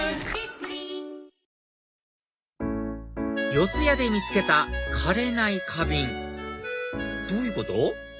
四谷で見つけた枯れない花瓶どういうこと？